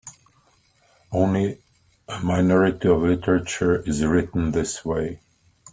Only a minority of literature is written this way.